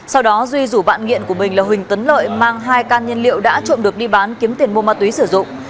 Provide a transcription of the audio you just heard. sau đó duy rủ bạn nghiện của mình là huỳnh tấn lợi mang hai can nhiên liệu đã trộm được đi bán kiếm tiền mua ma túy sử dụng